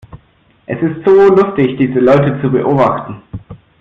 Es ist so lustig, diese Leute zu beobachten!